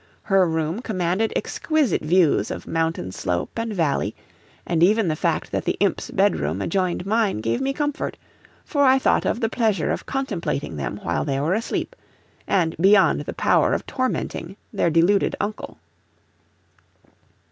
Her room commanded exquisite views of mountain slope and valley, and even the fact that the imps' bedroom adjoined mine gave me comfort, for I thought of the pleasure of contemplating them while they were asleep, and beyond the power of tormenting their deluded uncle.